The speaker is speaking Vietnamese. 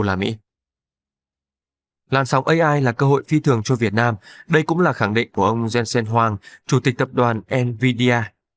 làn sóng ai là cơ hội phi thường cho việt nam đây cũng là khẳng định của ông jensen huang chủ tịch tập đoàn nvidia